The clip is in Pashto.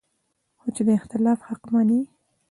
خو چې د اختلاف حق مني